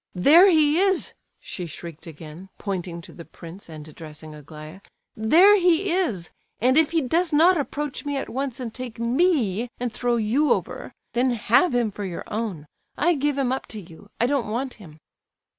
"There he is!" she shrieked again, pointing to the prince and addressing Aglaya. "There he is! and if he does not approach me at once and take me and throw you over, then have him for your own—I give him up to you! I don't want him!"